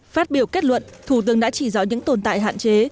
phát biểu kết luận thủ tướng đã chỉ rõ những tồn tại hạn chế